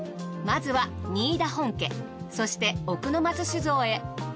まずは仁井田本家そして奥の松酒造へ。